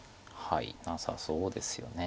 なさそうですよね。